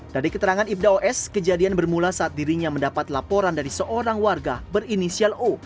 dari keterangan ibda os kejadian bermula saat dirinya mendapat laporan dari seorang warga berinisial o